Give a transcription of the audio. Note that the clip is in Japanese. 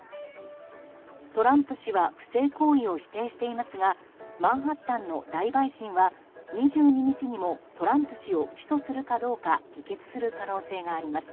トランプ氏は不正行為を否定していますがマンハッタンの大陪審は２２日にもトランプ氏を起訴するかどうか議決する可能性があります。